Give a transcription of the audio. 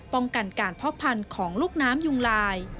ป้องกันการเพาะพันธุ์ของลูกน้ำยุงลาย